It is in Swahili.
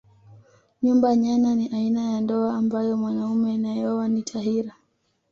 Nyumba nyana ni aina ya ndoa ambayo mwanaume anayeoa ni tahira